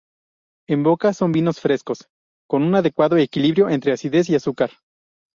En boca son vinos frescos, con un adecuado equilibrio entre acidez y azúcar.